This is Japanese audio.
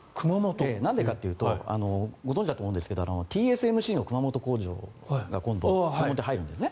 なんでかというとご存じかと思うんですがＴＳＭＣの熊本工場が今度、入るんですね。